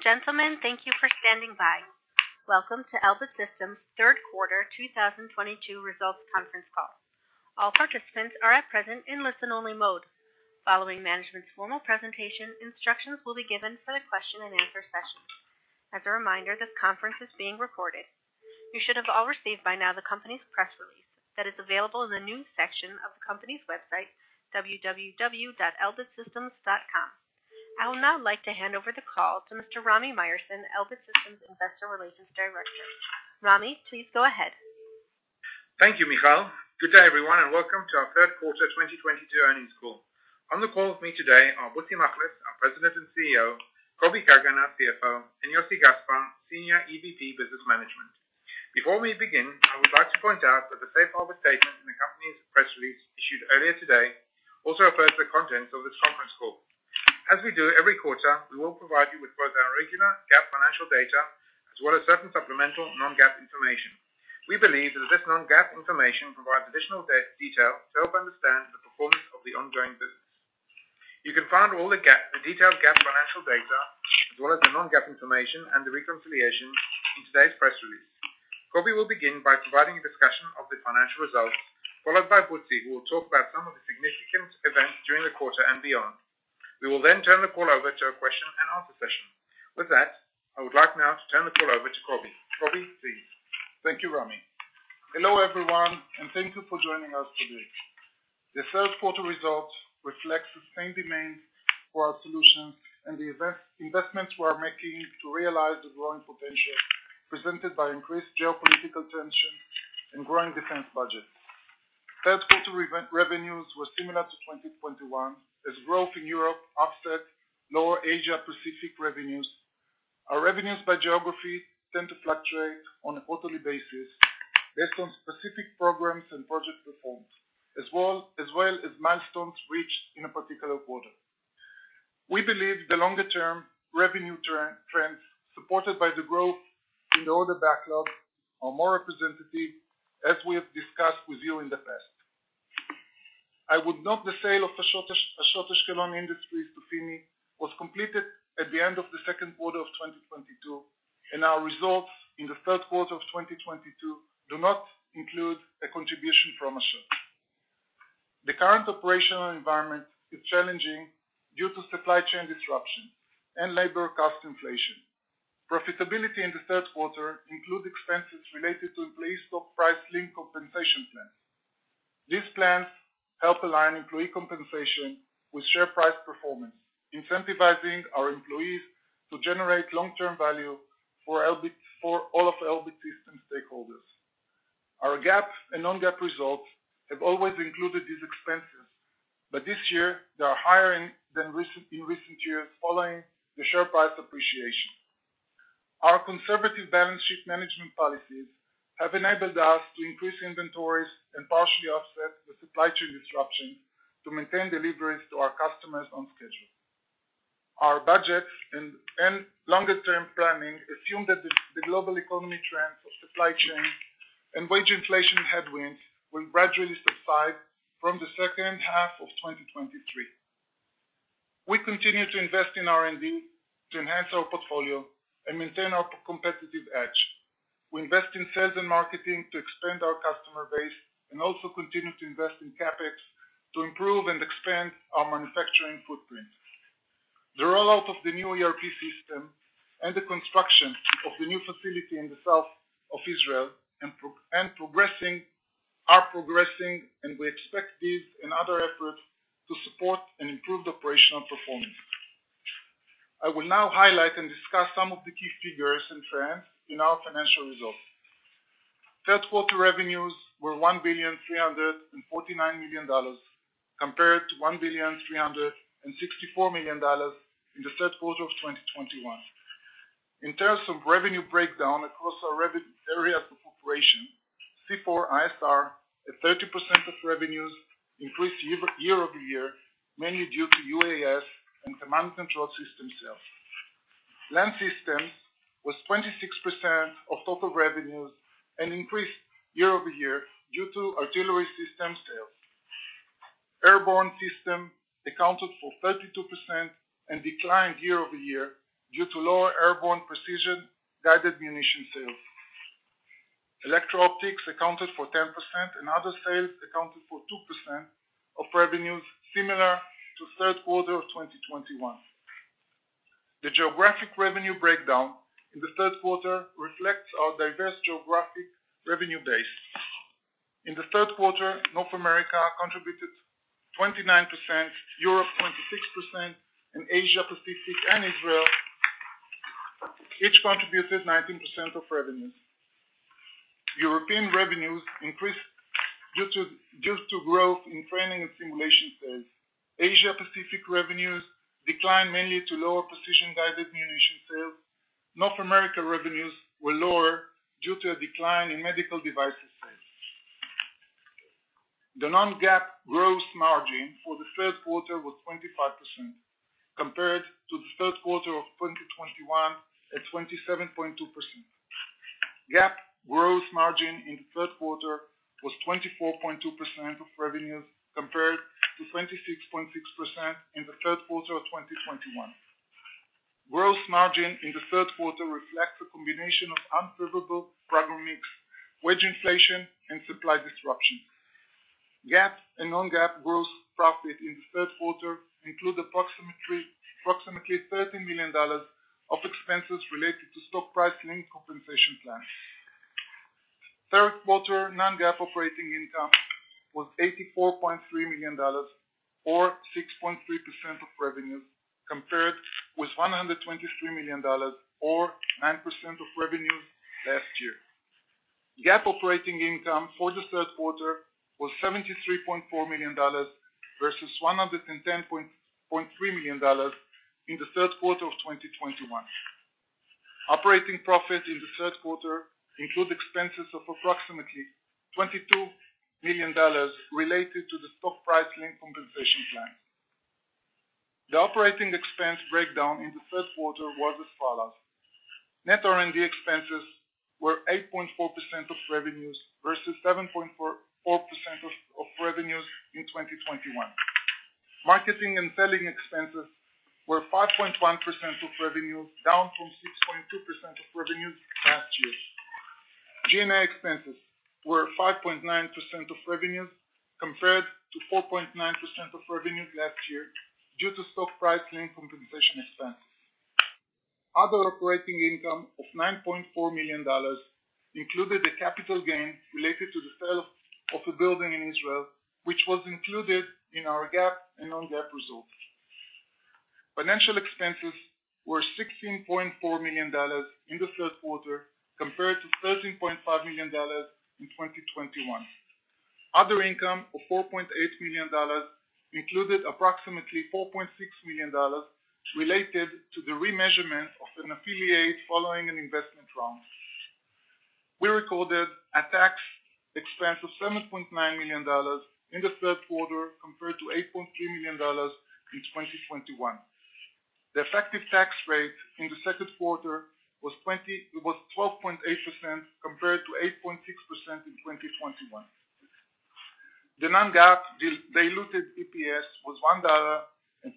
Ladies and gentlemen, thank you for standing by. Welcome to Elbit Systems' third quarter 2022 results conference call. All participants are at present in listen only mode. Following management's formal presentation, instructions will be given for the question-and-answer session. As a reminder, this conference is being recorded. You should have all received by now the company's press release that is available in the news section of the company's website www.elbitsystems.com. I will now like to hand over the call to Mr. Rami Myerson, Elbit Systems Investor Relations Director. Rami, please go ahead. Thank you, Michal. Good day, everyone, and welcome to our third quarter 2022 earnings call. On the call with me today are Butzi Machlis, our President and CEO, Kobi Kagan, CFO, and Yossi Gaspar, Senior EVP, Business Management. Before we begin, I would like to point out that the safe harbor statement in the company's press release issued earlier today also applies to the contents of this conference call. As we do every quarter, we will provide you with both our regular GAAP financial data, as well as certain supplemental non-GAAP information. We believe that this non-GAAP information provides additional detail to help understand the performance of the ongoing business. You can find the detailed GAAP financial data, as well as the non-GAAP information and the reconciliations in today's press release. Kobi will begin by providing a discussion of the financial results, followed by Butzi, who will talk about some of the significant events during the quarter and beyond. We will turn the call over to a question and answer session. With that, I would like now to turn the call over to Kobi. Kobi, please. Thank you, Rami. Hello, everyone, and thank you for joining us today. The third quarter results reflects the sustained demand for our solutions and the investments we are making to realize the growing potential presented by increased geopolitical tension and growing defense budgets. Third quarter revenues were similar to 2021, as growth in Europe offset lower Asia Pacific revenues. Our revenues by geography tend to fluctuate on a quarterly basis based on specific programs and project performance, as well as milestones reached in a particular quarter. We believe the longer term revenue trends supported by the growth in order backlog are more representative, as we have discussed with you in the past. I would note the sale of Ashot Ashkelon Industries to FIMI was completed at the end of the second quarter of 2022, and our results in the third quarter of 2022 do not include a contribution from Ashot. The current operational environment is challenging due to supply chain disruption and labor cost inflation. Profitability in the third quarter include expenses related to employee stock price link compensation plans. These plans help align employee compensation with share price performance, incentivizing our employees to generate long-term value for Elbit, for all of Elbit Systems stakeholders. Our GAAP and non-GAAP results have always included these expenses, but this year they are higher in recent years following the share price appreciation. Our conservative balance sheet management policies have enabled us to increase inventories and partially offset the supply chain disruption to maintain deliveries to our customers on schedule. Our budgets and longer term planning assume that the global economy trends of supply chain and wage inflation headwinds will gradually subside from the second half of 2023. We continue to invest in R&D to enhance our portfolio and maintain our competitive edge. We invest in sales and marketing to expand our customer base and also continue to invest in CapEx to improve and expand our manufacturing footprint. The rollout of the new ERP system and the construction of the new facility in the south of Israel are progressing, and we expect these and other efforts to support an improved operational performance. I will now highlight and discuss some of the key figures and trends in our financial results. Third quarter revenues were $1.349 billion compared to $1.364 billion in the third quarter of 2021. In terms of revenue breakdown across our areas of operation, C4ISR, at 30% of revenues, increased year-over-year, mainly due to UAS and command control system sales. Land systems was 26% of total revenues and increased year-over-year due to artillery system sales. Airborne system accounted for 32% and declined year-over-year due to lower airborne precision guided munition sales. Electro optics accounted for 10% and other sales accounted for 2% of revenues, similar to third quarter of 2021. The geographic revenue breakdown in the third quarter reflects our diverse geographic revenue base. In the third quarter, North America contributed 29%, Europe 26%, Asia Pacific and Israel each contributed 19% of revenues. European revenues increased due to growth in training and simulation sales. Asia Pacific revenues declined mainly to lower precision guided munition sales. North America revenues were lower due to a decline in medical devices sales. The non-GAAP gross margin for the third quarter was 25% compared to the third quarter of 2021 at 27.2%. GAAP gross margin in the third quarter was 24.2% of revenues compared to 26.6% in the third quarter of 2021. Gross margin in the third quarter reflects a combination of unfavorable product mix, wage inflation, and supply disruption. GAAP and non-GAAP gross profit in the third quarter include approximately $13 million of expenses related to stock price link compensation plan. Third quarter non-GAAP operating income was $84.3 million, or 6.3% of revenues, compared with $123 million or 9% of revenues last year. GAAP operating income for the third quarter was $73.4 million versus $110.3 million in the third quarter of 2021. Operating profit in the third quarter include expenses of approximately $22 million related to the stock price link compensation plan. The operating expense breakdown in the third quarter was as follows: Net R&D expenses were 8.4% of revenues versus 7.4% of revenues in 2021. Marketing and selling expenses were 5.1% of revenues, down from 6.2% of revenues last year. G&A expenses were 5.9% of revenues compared to 4.9% of revenues last year due to stock price link compensation expense. Other operating income of $9.4 million included a capital gain related to the sale of a building in Israel, which was included in our GAAP and non-GAAP results. Financial expenses were $16.4 million in the third quarter compared to $13.5 million in 2021. Other income of $4.8 million included approximately $4.6 million related to the remeasurement of an affiliate following an investment round. We recorded a tax expense of $7.9 million in the third quarter compared to $8.3 million in 2021. The effective tax rate in the second quarter was 12.8% compared to 8.6% in 2021. The non-GAAP diluted EPS was $1.40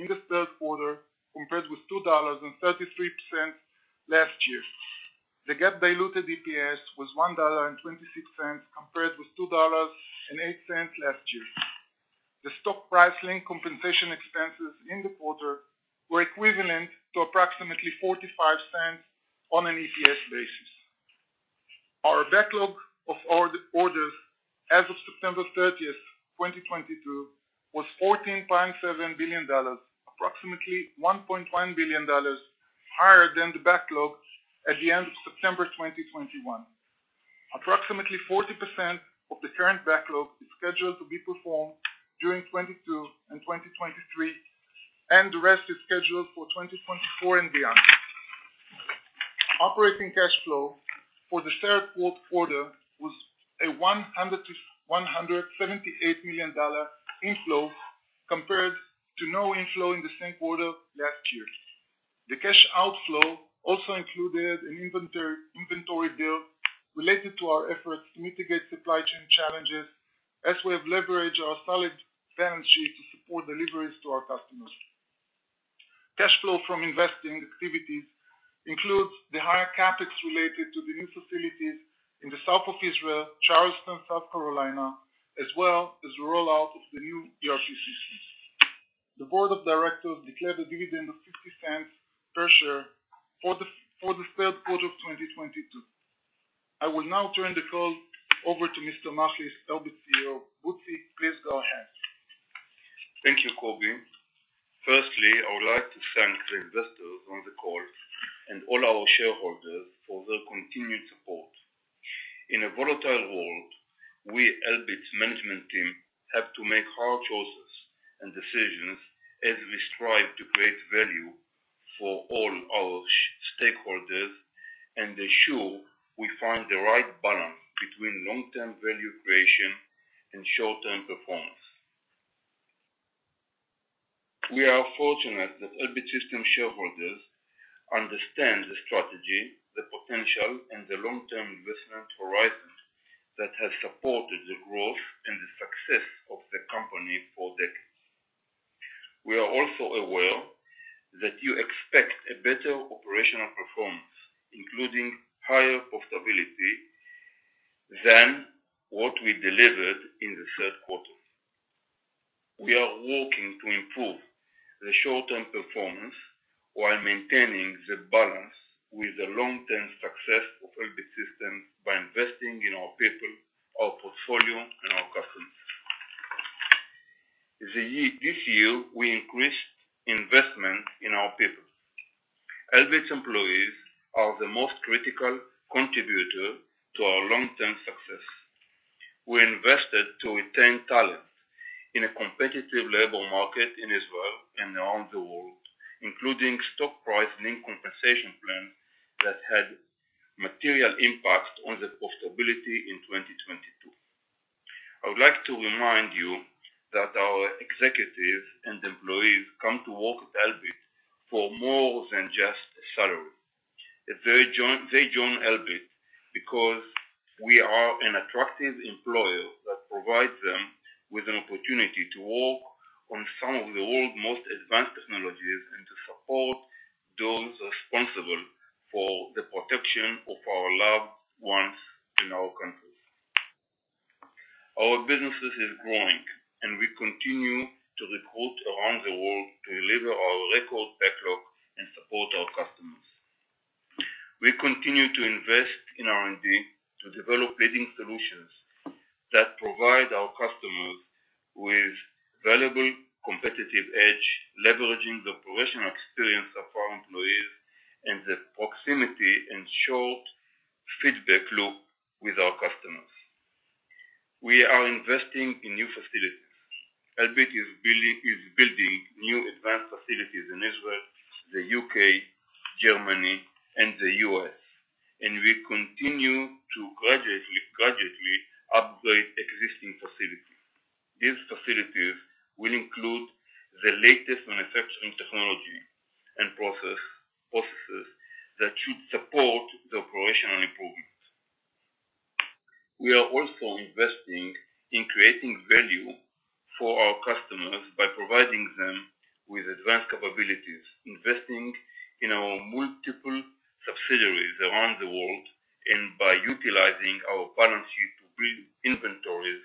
in the third quarter, compared with $2.33 last year. The GAAP diluted EPS was $1.26, compared with $2.08 last year. The stock price link compensation expenses in the quarter were equivalent to approximately $0.45 on an EPS basis. Our backlog of orders as of September 30, 2022, was $14.7 billion, approximately $1.1 billion higher than the backlog at the end of September 2021. Approximately 40% of the current backlog is scheduled to be performed during 2022 and 2023, and the rest is scheduled for 2024 and beyond. Operating cash flow for the third quarter was a $100 million-$178 million inflow compared to no inflow in the same quarter last year. The cash outflow also included an inventory build related to our efforts to mitigate supply chain challenges as we have leveraged our solid balance sheet to support deliveries to our customers. Cash flow from investing activities includes the higher CapEx related to the new facilities in the South of Israel, Charleston, South Carolina, as well as the rollout of the new ERP system. The board of directors declared a dividend of $0.50 per share for the third quarter of 2022. I will now turn the call over to Mr. Machlis, Elbit CEO. Butzi, please go ahead. Thank you, Kobi. Firstly, I would like to thank the investors on the call and all our shareholders for their continued support. In a volatile world, we, Elbit's management team, have to make hard choices and decisions as we strive to create value for all our stakeholders and ensure we find the right balance between long-term value creation and short-term performance. We are fortunate that Elbit Systems shareholders understand the strategy, the potential, and the long-term investment horizons that have supported the growth and the success of the company for decades. We are also aware that you expect a better operational performance, including higher profitability, than what we delivered in the third quarter. We are working to improve the short-term performance while maintaining the balance with the long-term success of Elbit Systems by investing in our people, our portfolio, and our customers. This year, we increased investment in our people. Elbit's employees are the most critical contributor to our long-term success. We invested to retain talent in a competitive labor market in Israel and around the world, including stock price link compensation plan that had material impact on the profitability. I would like to remind you that our executives and employees come to work at Elbit for more than just a salary. They join Elbit because we are an attractive employer that provides them with an opportunity to work on some of the world's most advanced technologies, and to support those responsible for the protection of our loved ones in our countries. Our businesses is growing, and we continue to recruit around the world to deliver our record backlog, and support our customers. We continue to invest in R&D to develop leading solutions that provide our customers with valuable competitive edge, leveraging the operational experience of our employees, the proximity and short feedback loop with our customers. We are investing in new facilities. Elbit is building new advanced facilities in Israel, the U.K., Germany, and the U.S. We continue to gradually upgrade existing facilities. These facilities will include the latest manufacturing technology and processes that should support the operational improvements. We are also investing in creating value for our customers by providing them with advanced capabilities, investing in our multiple subsidiaries around the world, and by utilizing our balance sheet to build inventories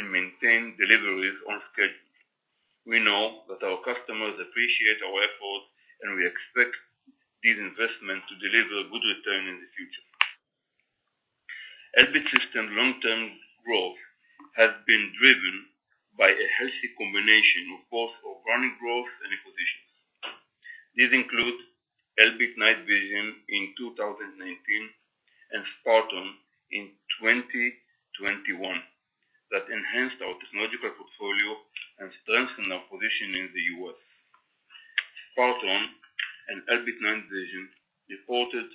and maintain deliveries on schedule. We know that our customers appreciate our effort. We expect this investment to deliver good return in the future. Elbit Systems long-term growth has been driven by a healthy combination of both organic growth and acquisitions. These include Elbit Night Vision in 2019, and Sparton in 2021, that enhanced our technological portfolio and strengthened our position in the U.S. Sparton and Elbit Night Vision reported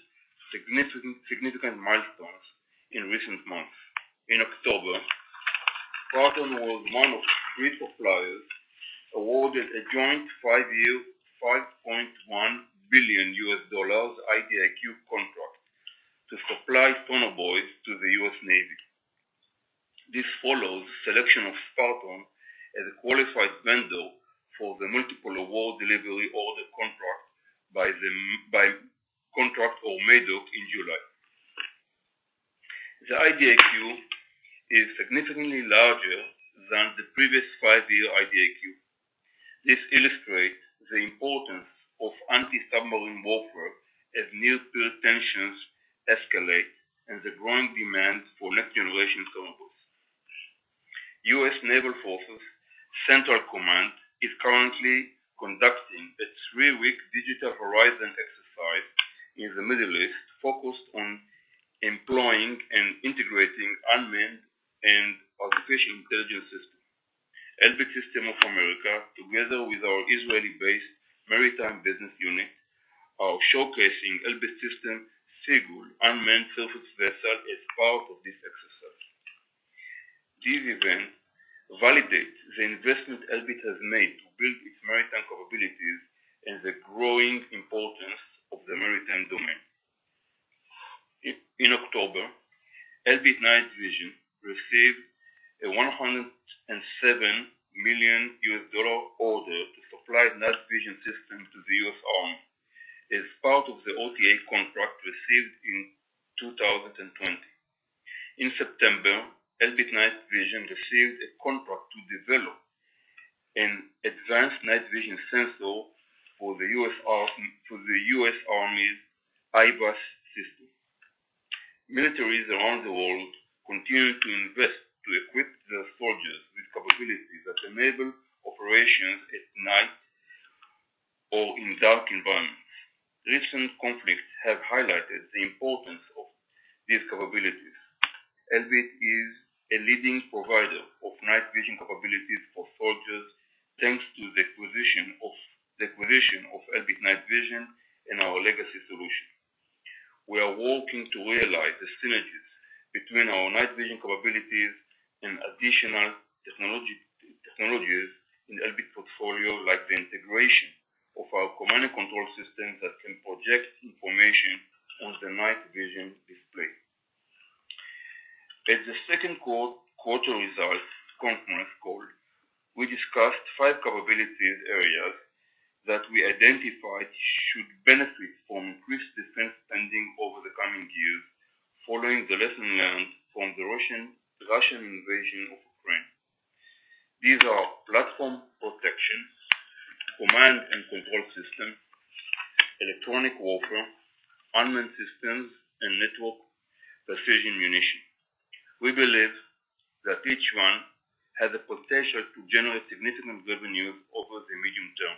significant milestones in recent months. In October, Sparton was one of three suppliers awarded a joint five-year, $5.1 billion IDIQ contract to supply Sonobuoys to the U.S. Navy. This follows selection of Sparton as a qualified vendor for the Multiple Award Delivery Order contract by MADO in July. The IDIQ is significantly larger than the previous five-year IDIQ. This illustrates the importance of anti-submarine warfare as near peer tensions escalate, and the growing demand for next generation Sonobuoys. US Naval Forces Central Command is currently conducting a three-week Digital Horizon exercise in the Middle East focused on employing and integrating unmanned and artificial intelligence systems. Elbit Systems of America, together with our Israeli-based maritime business unit, are showcasing Elbit Systems Seagull unmanned surface vessel as part of this exercise. This event validates the investment Elbit has made to build its maritime capabilities, and the growing importance of the maritime domain. In October, Elbit Night Vision received a $107 million order to supply night vision system to the U.S. Army as part of the OTA contract received in 2020. In September, Elbit Night Vision received a contract to develop an advanced night vision sensor for the U.S. Army's IVAS system. Militaries around the world continue to invest to equip their soldiers with capabilities that enable operations at night or in dark environments. Recent conflicts have highlighted the importance of these capabilities. Elbit is a leading provider of night vision capabilities for soldiers, thanks to the acquisition of Elbit Night Vision, and our legacy solution. We are working to realize the synergies between our night vision capabilities and additional technologies in Elbit portfolio, like the integration of our command and control system that can project information on the night vision display. At the second quarter results conference call, we discussed five capabilities areas that we identified should benefit from increased defense spending over the coming years following the lesson learned from the Russian invasion of Ukraine. These are platform protection, command and control system, electronic warfare, unmanned systems, and network precision munition. We believe that each one has the potential to generate significant revenues over the medium term.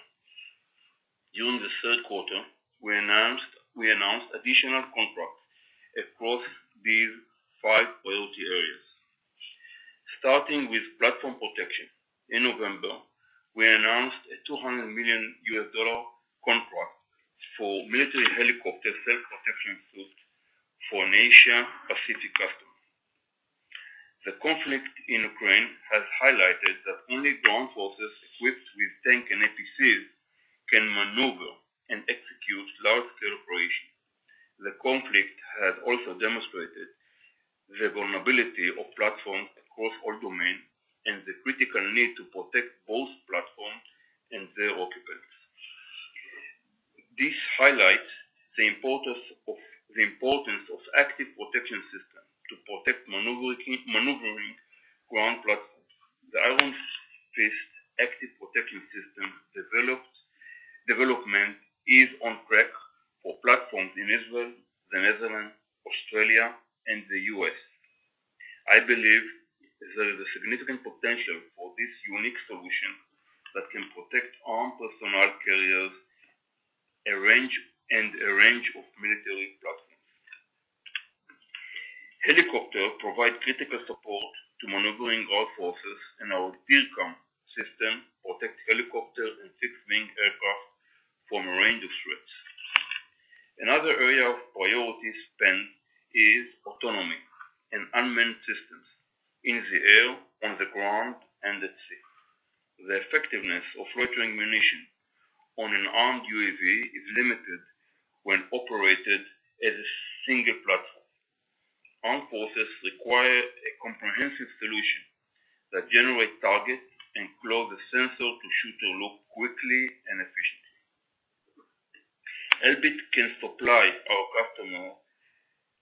During the third quarter, we announced additional contracts across these five priority areas. Starting with platform protection, in November, we announced a $200 million contract for military helicopter self-protection suit for an Asia Pacific customer. The conflict in Ukraine has highlighted that only ground forces equipped with tank and APCs can maneuver and execute large-scale operations. The conflict has also demonstrated the vulnerability of platforms across all domains, and the critical need to protect both platforms and their occupants. This highlights the importance of active protection systems to protect maneuvering ground platforms. The Iron Fist active protection system development is on track for platforms in Israel, the Netherlands, Australia, and the U.S. I believe there is a significant potential for this unique solution that can protect armed personnel carriers, a range, and a range of military platforms. Helicopters provide critical support to maneuvering armed forces, and our DIRCM system protects helicopters and fixed-wing aircraft from a range of threats. Another area of priority spend is autonomy and unmanned systems in the air, on the ground, and at sea. The effectiveness of loitering munition on an armed UAV is limited when operated as a single platform. Armed forces require a comprehensive solution that generates targets and close the sensor to shoot a loop quickly and efficiently. Elbit can supply our customers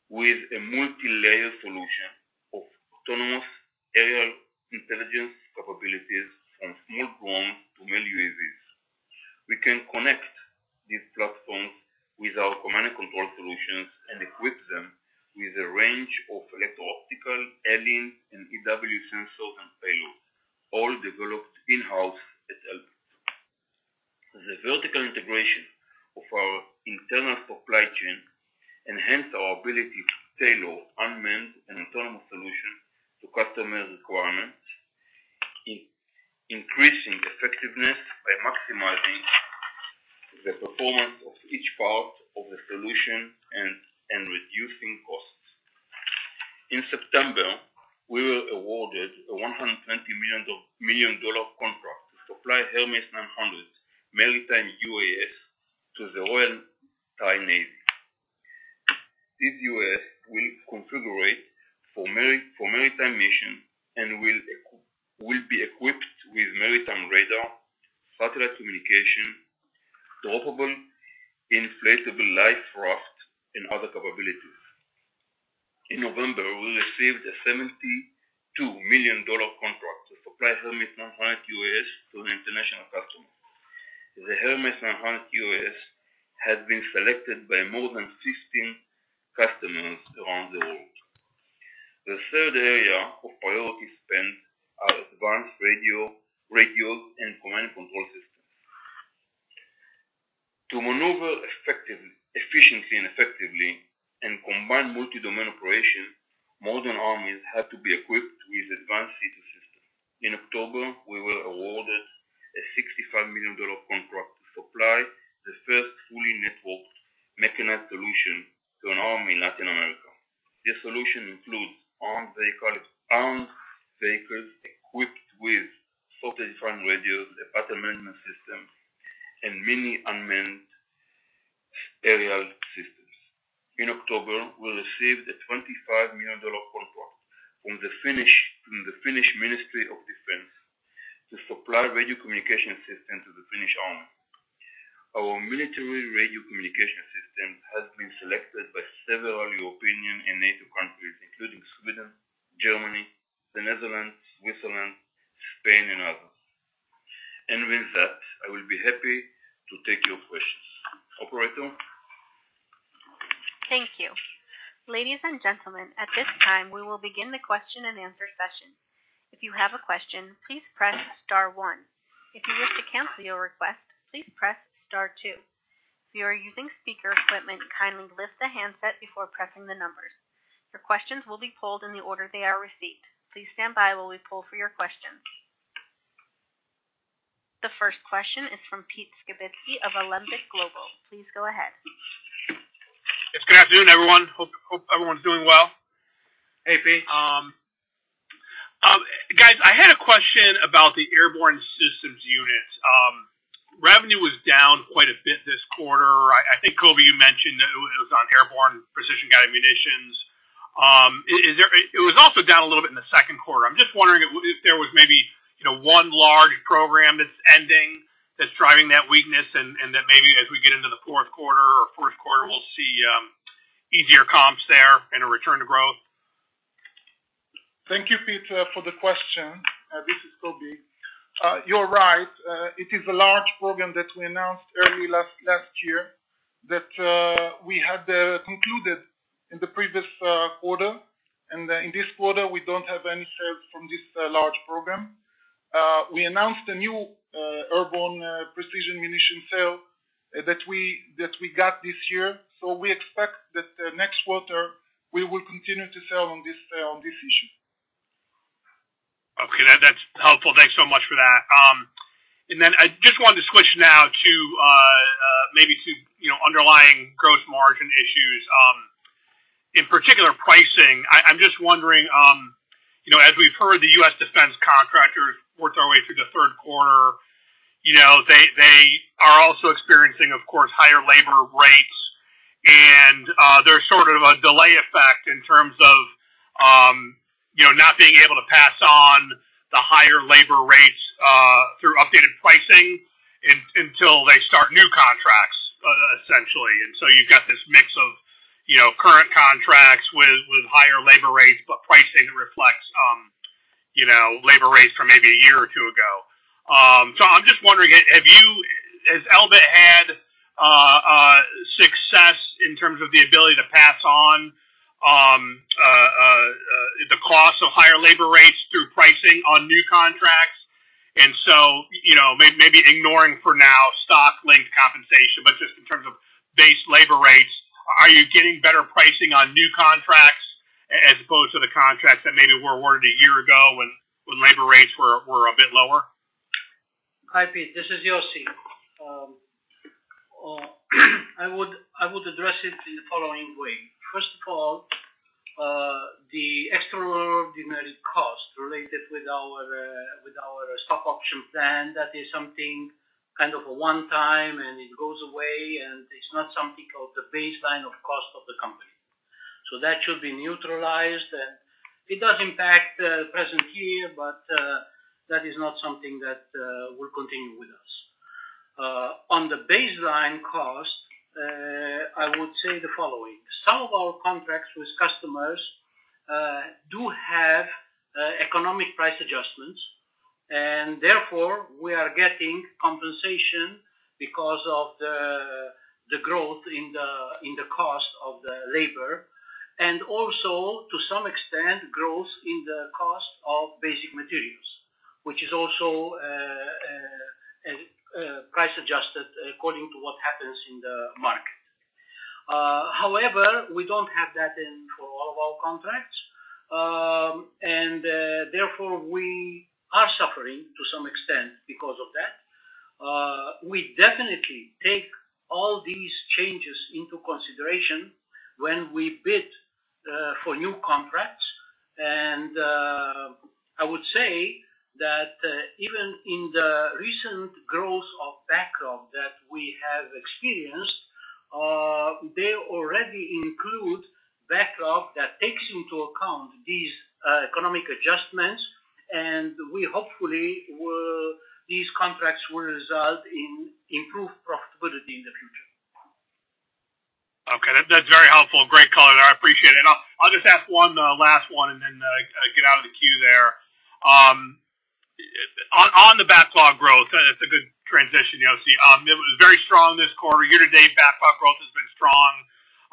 with a multilayer solution of autonomous aerial intelligence capabilities from small drones to manned UAVs. We can connect these platforms with our command and control solutions, and equip them with a range of electro-optical, ELINT, and EW sensors and payloads, all developed in-house at Elbit. The vertical integration of our internal supply chain enhance our ability to tailor unmanned and autonomous solutions to customer requirements, increasing effectiveness by maximizing the performance of each part of the solution and reducing costs. In September, we were awarded a $120 million contract to supply Hermes 900 maritime UAS to the Royal Thai Navy. This UAS will configure it for maritime mission, and will be equipped with maritime radar, satellite communication, droppable inflatable life raft, and other capabilities. In November, we received a $72 million contract to supply Hermes 900 UAS to an international customer. The Hermes 900 UAS has been selected by more than 15 customers around the world. The third area of priority spend are advanced radios and command control systems. To maneuver efficiently and effectively in combined multi-domain operations, modern armies have to be equipped with advanced C2 systems. In October, we were awarded a $65 million contract to supply the first fully networked mechanized solution to an army in Latin America. This solution includes armed vehicles equipped with software-defined radios, the battle management system, and many unmanned aerial systems. In October, we received a $25 million contract from the Finnish Ministry of Defence to supply radio communication systems to the Finnish Army. Our military radio communication system has been selected by several European and NATO countries, including Sweden, Germany, the Netherlands, Switzerland, Spain, and others. With that, I will be happy to take your questions. Operator? Thank you. Ladies and gentlemen, at this time, we will begin the question-and-answer session. If you have a question, please press star one. If you wish to cancel your request, please press star two. If you are using speaker equipment, kindly lift the handset before pressing the numbers. Your questions will be pulled in the order they are received. Please stand by while we pull for your question. The first question is from Pete Skibitski of Alembic Global. Please go ahead. Yes, good afternoon, everyone. Hope everyone's doing well. Hey, Pete. Guys, I had a question about the airborne systems unit. Revenue was down quite a bit this quarter. I think, Kobi, you mentioned that it was on airborne precision-guided munitions. Is there... It was also down a little bit in the second quarter. I'm just wondering if there was maybe, you know, one large program that's ending that's driving that weakness and that maybe as we get into the fourth quarter, we'll see easier comps there and a return to growth. Thank you, Pete, for the question. This is Kobi. You're right. It is a large program that we announced early last year that we had concluded in the previous quarter. In this quarter, we don't have any sales from this large program. We announced a new airborne precision munition sale that we got this year. We expect that next quarter, we will continue to sell on this on this issue. Thanks for that. I just wanted to switch now to, maybe to, you know, underlying gross margin issues, in particular pricing. I'm just wondering, you know, as we've heard the U.S. defense contractors work their way through the third quarter, you know, they are also experiencing, of course, higher labor rates. There's sort of a delay effect in terms of, you know, not being able to pass on the higher labor rates through updated pricing until they start new contracts, essentially. You've got this mix of, you know, current contracts with higher labor rates, but pricing reflects, you know, labor rates from maybe a year or two ago. I'm just wondering, have you... Has Elbit had success in terms of the ability to pass on the cost of higher labor rates through pricing on new contracts? You know, maybe ignoring for now stock linked compensation, but just in terms of base labor rates, are you getting better pricing on new contracts as opposed to the contracts that maybe were awarded a year ago when labor rates were a bit lower? Hi, Pete. This is Yossi. I would address it in the following way. First of all, the extraordinary cost related with our stock option plan, that is something kind of a one-time, and it goes away, and it's not something called the baseline of cost of the company. That should be neutralized. It does impact present here, but that is not something that will continue with us. On the baseline cost, I would say the following. Some of our contracts with customers do have economic price adjustments, and therefore, we are getting compensation because of the growth in the cost of the labor, and also, to some extent, growth in the cost of basic materials, which is also price adjusted according to what happens in the market. However, we don't have that in for all of our contracts. Therefore, we are suffering to some extent because of that. We definitely take all these changes into consideration when we bid for new contracts. I would say that, even in the recent growth of backlog that we have experienced, they already include backlog that takes into account these economic adjustments. We hopefully these contracts will result in improved profitability in the future. Okay. That's very helpful. Great color. I appreciate it. I'll just ask one last one and then get out of the queue there. On the backlog growth, it's a good transition, Yossi. It was very strong this quarter. Year to date, backlog growth has been strong.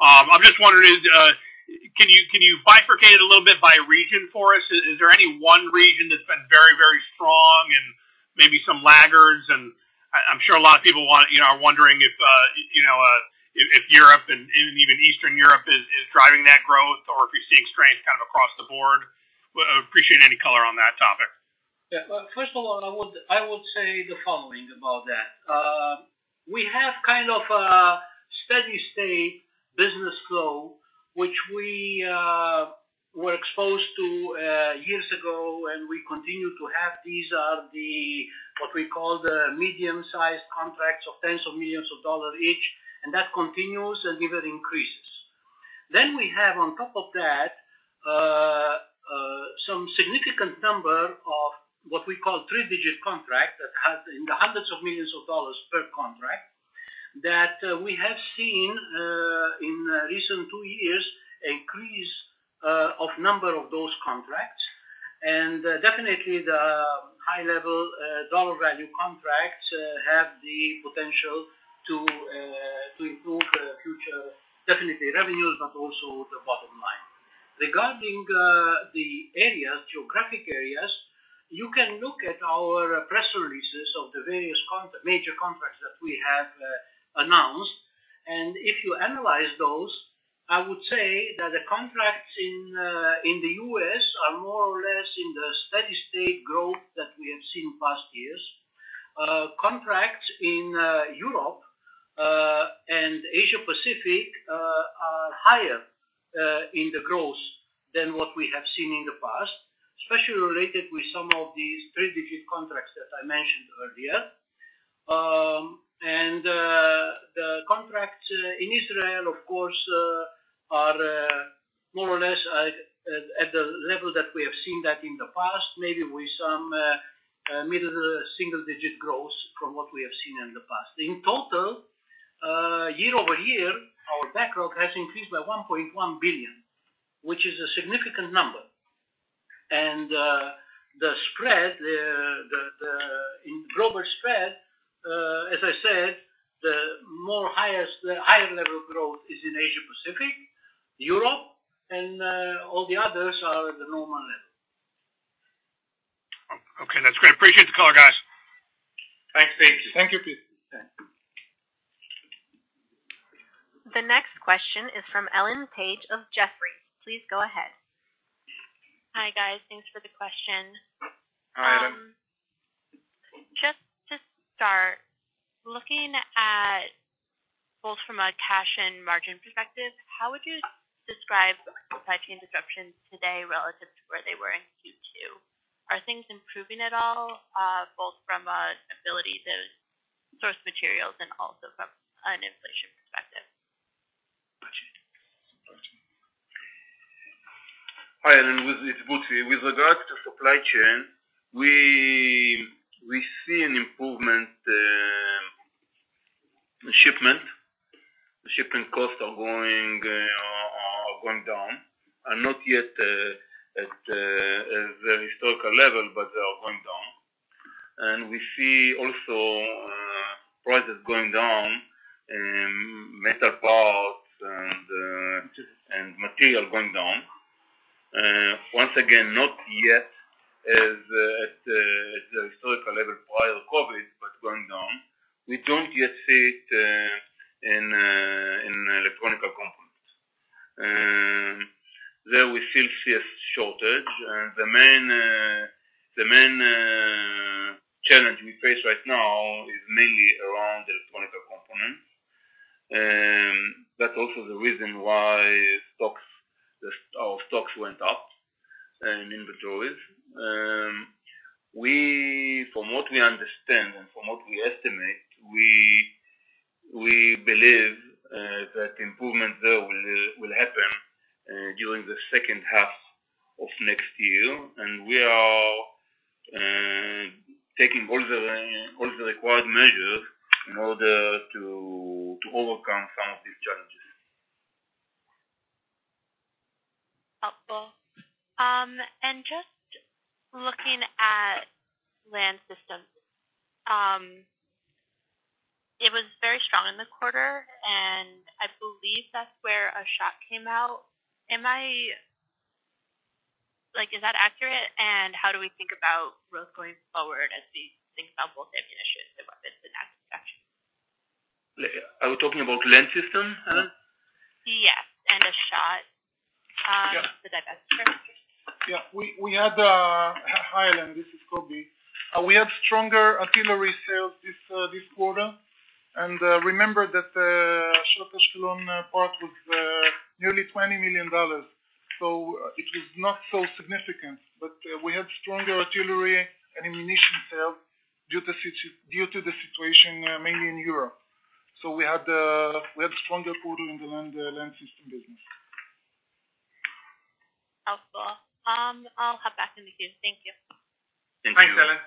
I'm just wondering, can you bifurcate a little bit by region for us? Is there any one region that's been very, very strong and maybe some laggards? I'm sure a lot of people want. you know, are wondering if, you know, if Europe and even Eastern Europe is driving that growth or if you're seeing strength kind of across the board. Would appreciate any color on that topic. Yeah. First of all, I would say the following about that. We have kind of a steady state business flow, which we were exposed to years ago, and we continue to have. These are the, what we call the medium-sized contracts of tens of millions of dollars each, and that continues and even increases. We have on top of that, some significant number of what we call three-digit contract that has in the hundreds of millions of dollars per contract that we have seen in recent two years, increase of number of those contracts. Definitely the high level, dollar value contracts have the potential to improve future, definitely revenues, but also the bottom line. Regarding the areas, geographic areas, you can look at our press releases of the various major contracts that we have announced. If you analyze those, I would say that the contracts in the U.S. are more or less in the steady-state growth that we have seen past years. Contracts in Europe and Asia Pacific are higher in the growth than what we have seen in the past, especially related with some of these three-digit contracts that I mentioned earlier. The contracts in Israel, of course, are more or less at the level that we have seen that in the past, maybe with some middle single-digit growth from what we have seen in the past. In total, year-over-year, our backlog has increased by $1.1 billion, which is a significant number. The spread, the global spread, as I said, the higher level growth is in Asia Pacific, Europe, and all the others are at the normal level. Okay, that's great. Appreciate the call, guys. Thanks, Pete. Thank you, Pete. The next question is from the line of Ellen Page of Jefferies. Please go ahead. Hi, guys. Thanks for the question. Hi, Ellen. Just to start, looking at both from a cash and margin perspective, how would you describe supply chain disruptions today relative to where they were in Q2? Are things improving at all, both from a ability to source materials and also from an inflation perspective? Hi, Ellen. It's Kobi. With regards to supply chain, we see an improvement in shipment. The shipping costs are going down, not yet at the historical level, but they are going down. We see also prices going down in metal parts and material going down. Once again, not yet as at the historical level prior to COVID, but going down. We don't yet see it in electronic components. There we still see a shortage. The main challenge we face right now is mainly around electronic components. That's also the reason why Our stocks went up in inventories. From what we understand and from what we estimate, we believe that improvement there will happen during the second half of next year. We are taking all the required measures in order to overcome some of these challenges. Helpful. Just looking at land systems. It was very strong in the quarter, I believe that's where Ashot came out. Like, is that accurate, and how do we think about growth going forward as we think about both ammunition and weapons in that section? Are we talking about land system, Ellen? Yes, and Ashot. Yeah. The divestment. Hi, Ella, this is Kobi. We have stronger artillery sales this quarter. Remember that the Ashot Ashkelon part was nearly $20 million, so it was not so significant. We had stronger artillery and ammunition sales due to the situation, mainly in Europe. We had a stronger quarter in the land system business. Helpful. I'll hop back in the queue. Thank you. Thank you. Thanks, Ellen.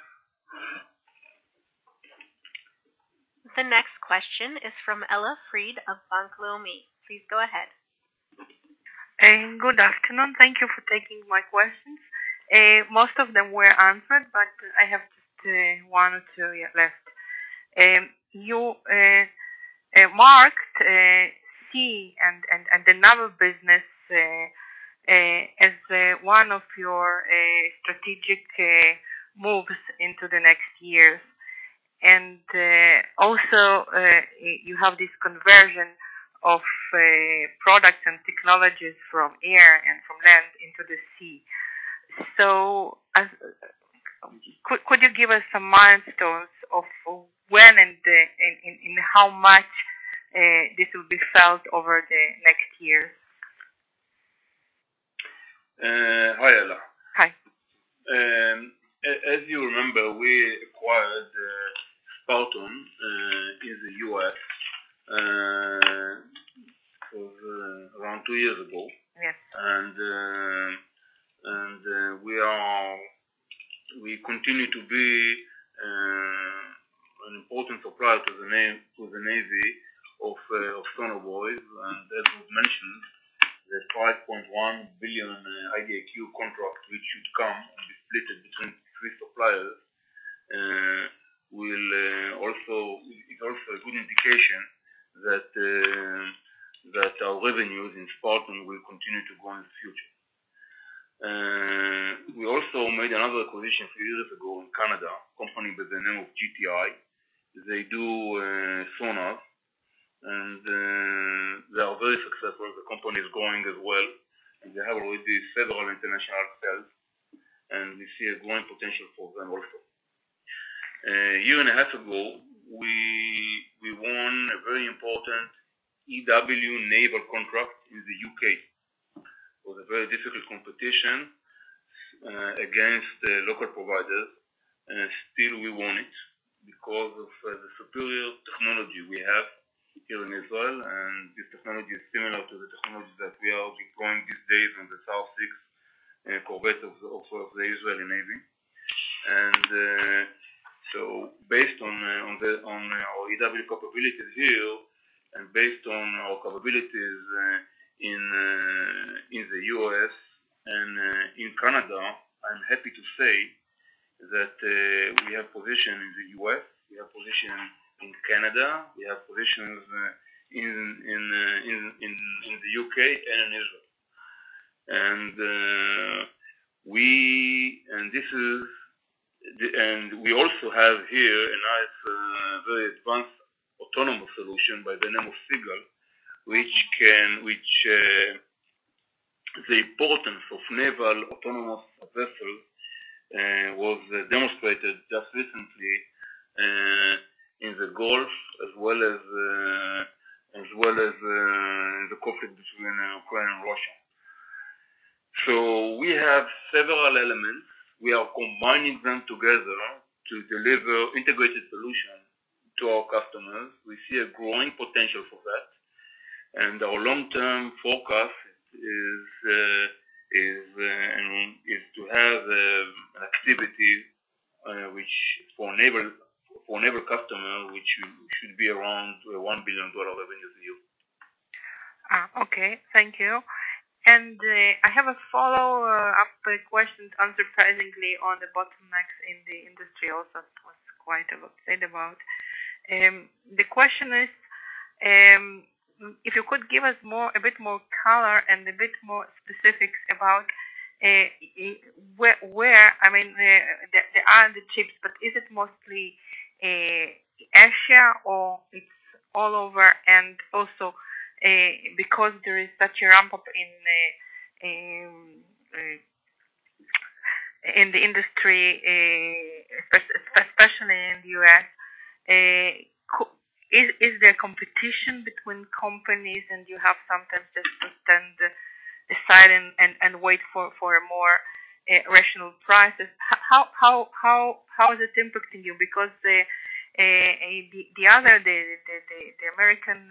The next question is from Ella Fried of Bank Leumi. Please go ahead. Good afternoon. Thank you for taking my questions. Most of them were answered, but I have just one or two, yeah, left. You marked sea and the naval business as one of your strategic moves into the next years. Also, you have this conversion of products and technologies from air and from land into the sea. Could you give us some milestones of when and how much this will be felt over the next years? Hi, Ella. Hi. As you remember, we acquired Sparton, in the U.S., around two years ago. Yes. We continue to be an important supplier to the Navy of sonobuoys. As we've mentioned, the $5.1 billion IDIQ contract, which should come and be split between three suppliers, is also a good indication that our revenues in Sparton will continue to grow in the future. We also made another acquisition a few years ago in Canada, a company by the name of GTI. They do sonar, and they are very successful. The company is growing as well, and they have already several international sales, and we see a growing potential for them also. A year and a half ago, we won a very important EW naval contract with the U.K. It was a very difficult competition against the local providers, and still we won it because of the superior technology we have here in Israel. This technology is similar to the technology that we are deploying these days on the Sa'ar 6 corvettes of the Israeli Navy. Based on our EW capabilities here and based on our capabilities in the U.S. And in Canada, I'm happy to say that we have position in the U.S., we have position in Canada, we have positions in the U.K. and Israel. We also have here a nice, very advanced autonomous solution by the name of Seagull, which the importance of naval autonomous vessel was demonstrated just recently in the Gulf as well as the conflict between Ukraine and Russia. We have several elements. We are combining them together to deliver integrated solution to our customers. We see a growing potential for that, and our long-term forecast is, I mean, is to have an activity which for naval customer should be around $1 billion revenue view. Okay. Thank you. I have a follow-up question, unsurprisingly, on the bottlenecks in the industry also. It was quite a lot said about. The question is, if you could give us more, a bit more color and a bit more specifics about where, I mean, there are the chips, but is it mostly Asia or it's all over? Also, because there is such a ramp-up in the industry, especially in the U.S., is there competition between companies and you have sometimes just to stand aside and wait for a more rational prices? How is it impacting you? Because the other, the American,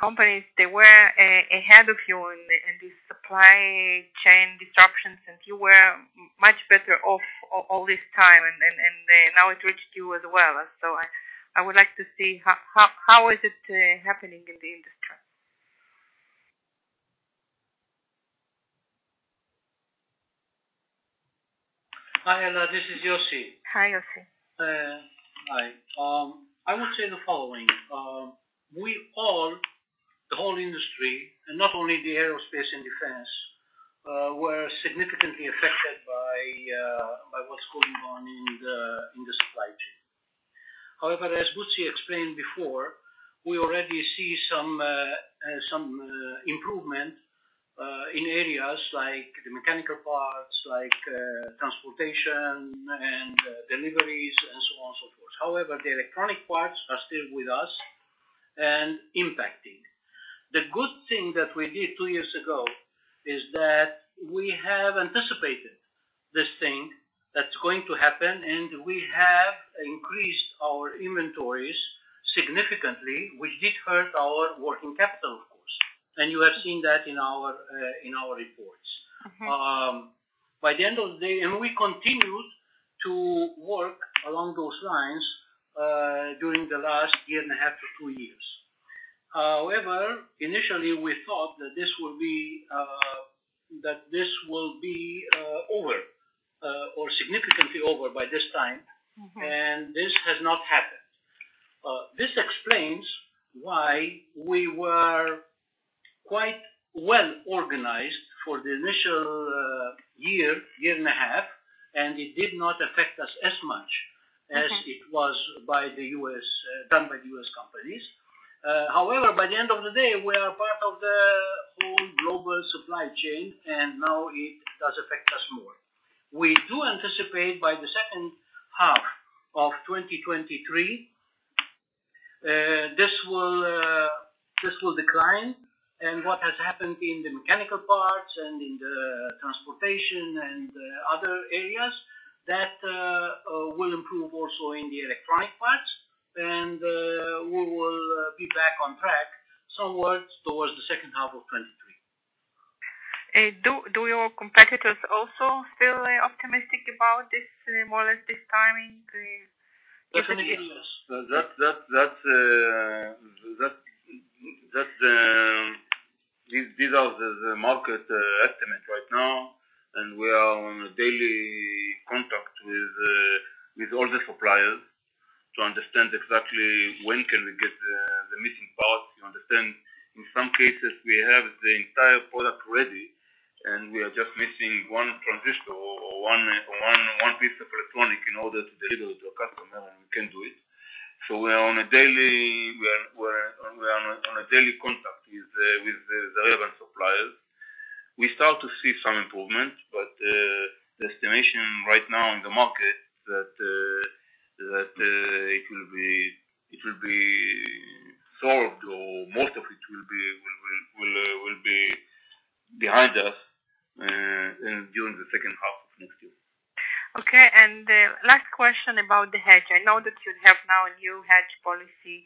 companies, they were ahead of you in this supply chain disruptions, and you were much better off all this time, and now it reached you as well. I would like to see how is it, happening in the industry? Hi, Ella. This is Yossi. Hi, Yossi. Hi. I would say the following. We all, the whole industry, not only the aerospace and defense, were significantly affected by what's going on in the supply chain. However, as Butzi explained before, we already see some improvement in areas like the mechanical parts, like transportation and deliveries, and so on and so forth. However, the electronic parts are still with us and impacting. The good thing that we did 2 years ago is that we have anticipated this thing that's going to happen, and we have increased our inventories significantly, which did hurt our working capital, of course. You have seen that in our reports. By the end of the day. We continued to work along those lines during the last year and a half to two years. However, initially, we thought that this will be over, or significantly over by this time. This has not happened. This explains why we were quite well organized for the initial year and a half, and it did not affect us as much. Okay. as it was by the U.S., done by the U.S. companies. However, by the end of the day, we are part of the whole global supply chain, and now it does affect us more. We do anticipate by the second half of 2023, this will decline. What has happened in the mechanical parts and in the transportation and other areas, that will improve also in the electronic parts. We will be back on track somewhat towards the second half of 2023. Do your competitors also feel optimistic about this, more or less this timing, considering this? These are the market estimate right now. We are on a daily contact with all the suppliers to understand exactly when can we get the missing parts. You understand? In some cases, we have the entire product ready, and we are just missing one transistor or one piece of electronic in order to deliver to a customer, and we can't do it. We're on a daily contact with the relevant suppliers. We start to see some improvement, the estimation right now in the market that it will be solved or most of it will be behind us during the second half of next year. Okay. Last question about the hedge. I know that you have now a new hedge policy,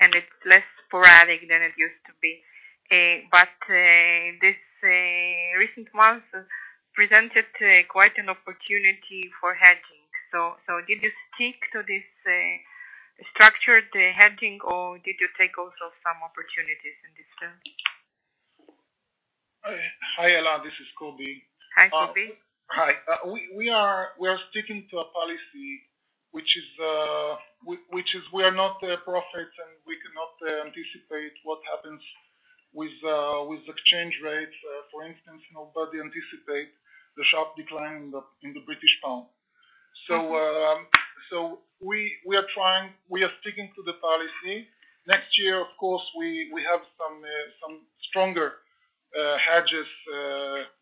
and it's less sporadic than it used to be. This recent months presented quite an opportunity for hedging. Did you stick to this structured hedging or did you take also some opportunities in this term? Hi, Ella. This is Kobi. Hi, Kobi. Hi. We are sticking to a policy which is. We are not profits and we cannot anticipate what happens with exchange rates. Nobody anticipate the sharp decline in the British pound. We are sticking to the policy. Next year, of course, we have some stronger hedges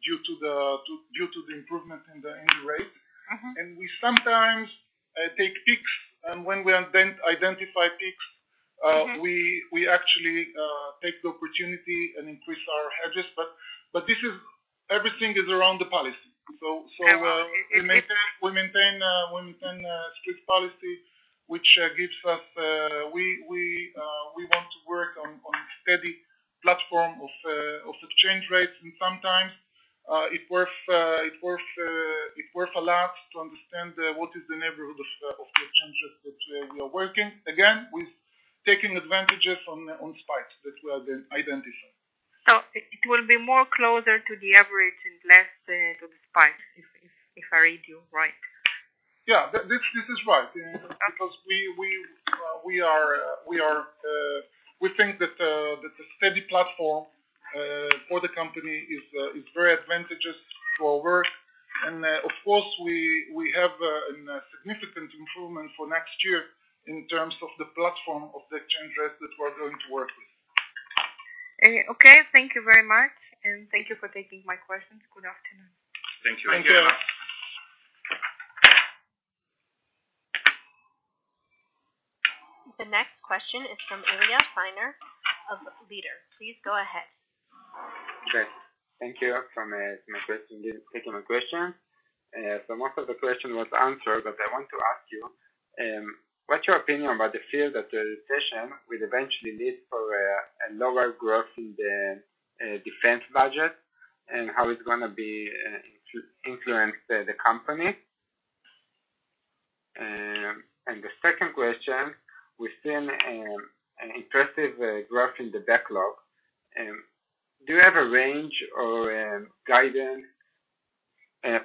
due to the improvement in the annual rate. We sometimes take peaks, and when we identify peaks. We actually take the opportunity and increase our hedges. Everything is around the policy. Yeah. We maintain a strict policy. We want to work on steady platform of exchange rates. Sometimes it worth a lot to understand what is the neighborhood of the exchanges that we are working. We've taken advantages on spikes that we have identified. It will be more closer to the average and less to the spikes if I read you right? Yeah. This is right. Because we think that the steady platform for the company is very advantageous for our work. Of course, we have a significant improvement for next year in terms of the platform of the exchange rates that we are going to work with. Okay. Thank you very much, and thank you for taking my questions. Good afternoon. Thank you. Thank you. The next question is from Ilya Fainer of Leader. Please go ahead. Okay. Thank you. Taking my question. Most of the question was answered, but I want to ask you, what's your opinion about the fear that the recession will eventually lead for a lower growth in the defense budget, and how it's gonna be influence the company? The second question, we've seen an impressive growth in the backlog. Do you have a range or guidance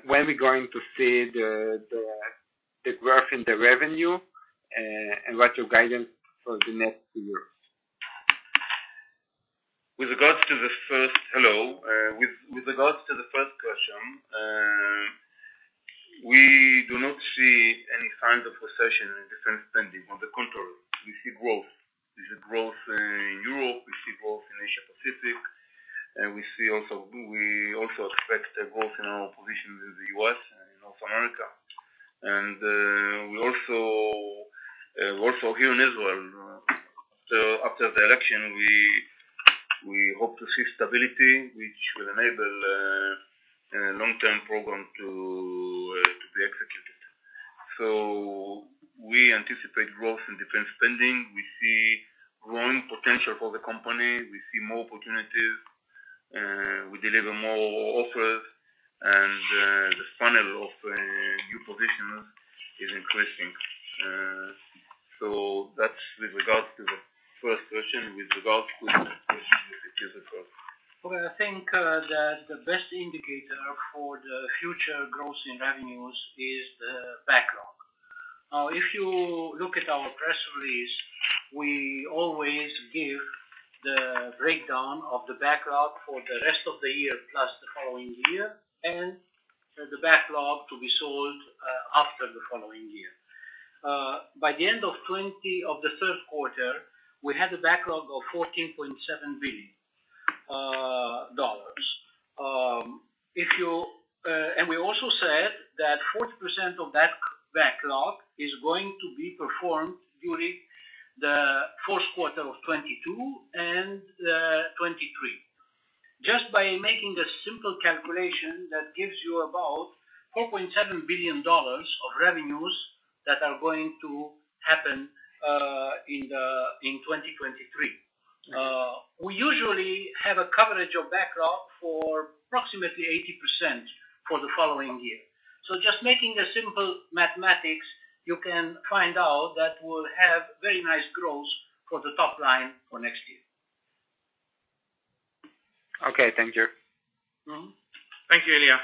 when we're going to see the growth in the revenue, and what's your guidance for the next two years? Hello, with regards to the bank question, we do not see any kind of recession currently on the control of the global situation specifically, and we also expect a global recession in the U.S., North America, and also Europe as well. So after that, we will see stability, which will enable a long-term program to execute. So we anticipate growth spending, the growing potential of the company, the more opportunities, we have a more offer, and the panel of new positions is increasing. So that's the regards to the first question. Well, I think that the best indicator for the future growth in revenues is the backlog. If you look at our press release, we always give the breakdown of the backlog for the rest of the year, plus the following year, and the backlog to be sold after the following year. By the end of the third quarter, we had a backlog of $14.7 billion. We also said that 40% of backlog is going to be performed during the fourth quarter of 2022 and 2023. Just by making a simple calculation, that gives you about $4.7 billion of revenues that are going to happen in 2023. We usually have a coverage of backlog for approximately 80% for the following year. Just making a simple mathematics, you can find out that we'll have very nice growth for the top line for next year. Okay. Thank you. Thank you, Ilya.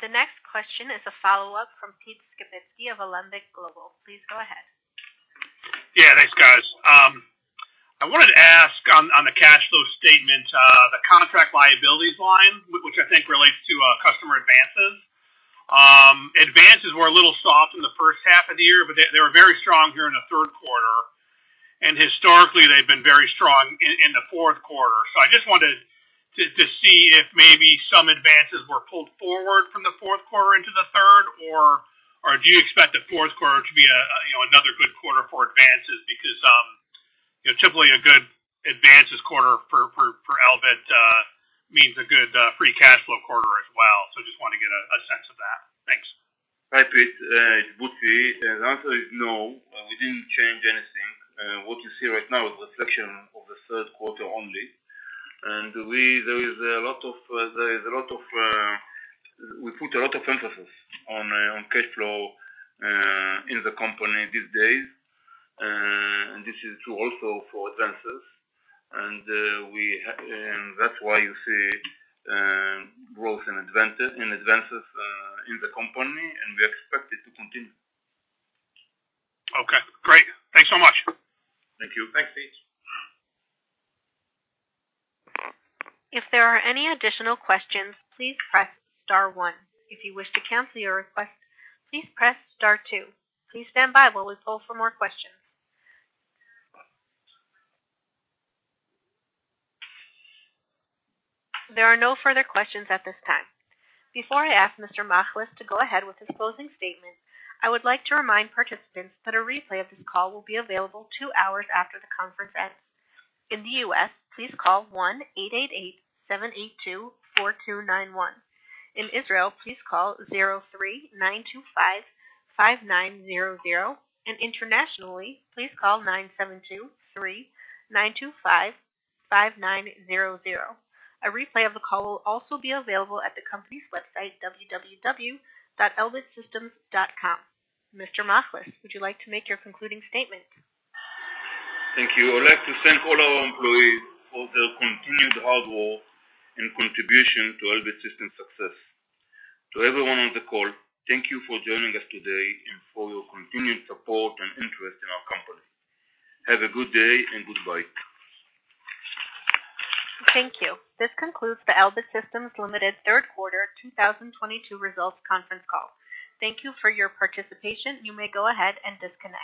The next question is a follow-up from Pete Skibitski of Alembic Global. Please go ahead. Yeah. Thanks, guys. I wanted to ask on the cash flow statement, the contract liabilities line, which I think relates to customer advances. Advances were a little soft in the first half of the year, but they were very strong here in the third quarter, and historically, they've been very strong in the fourth quarter. I just wanted to see if maybe some advances were pulled forward from the fourth quarter into the third, or do you expect the fourth quarter to be a, you know, another good quarter for advances? You know, typically a good advances quarter for Elbit means a good free cash flow quarter as well. Just wanna get a sense of that. Thanks. Hi, Pete. It's Butzi. The answer is no. We didn't change anything. what you see right now is a reflection of the third quarter only. There is a lot of, we put a lot of emphasis on cash flow in the company these days. this is true also for advances. that's why you see growth in advances in the company, and we expect it to continue. Okay, great. Thanks so much. Thank you. Thanks, Pete. If there are any additional questions, please press star one. If you wish to cancel your request, please press star two. Please stand by while we poll for more questions. There are no further questions at this time. Before I ask Mr. Machlis to go ahead with his closing statement, I would like to remind participants that a replay of this call will be available two hours after the conference ends. In the U.S., please call 1-888-782-4291. In Israel, please call 03-925-5900. Internationally, please call 972-3925-5900. A replay of the call will also be available at the company's website, www.elbitsystems.com. Mr. Machlis, would you like to make your concluding statement? Thank you. I'd like to thank all our employees for their continued hard work and contribution to Elbit Systems' success. To everyone on the call, thank you for joining us today and for your continued support and interest in our company. Have a good day and goodbye. Thank you. This concludes the Elbit Systems Ltd. third quarter 2022 results conference call. Thank you for your participation. You may go ahead and disconnect.